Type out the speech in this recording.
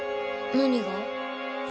何が？